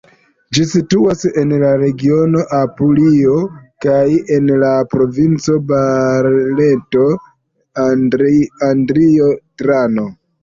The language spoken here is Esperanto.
Ĝi situas en la regiono Apulio kaj en la provinco Barleto-Andrio-Trano.